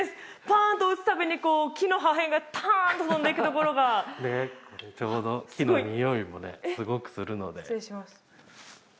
パーンと打つ度に木の破片がターンと飛んでいくところがちょうど木のにおいもねすごくするので失礼します